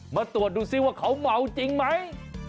มาตรวจดูซิว่าเขาเมาจริงไหม